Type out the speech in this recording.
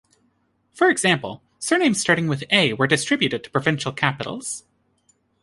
For example, surnames starting with "A" were distributed to provincial capitals.